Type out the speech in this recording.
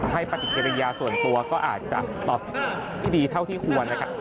ปฏิกิริยาส่วนตัวก็อาจจะตอบที่ดีเท่าที่ควรนะครับ